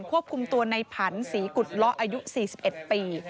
ควบคุมตัวในผันศรีกุฎเลาะอายุ๔๑ปี